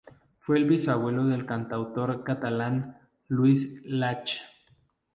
Fue el bisabuelo del cantautor catalán Lluís Llach.